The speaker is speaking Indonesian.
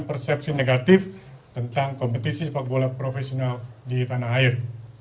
persepsi negatif tentang kompetisi sepak bola profesional di tanah air